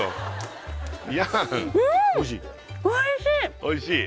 おいしい？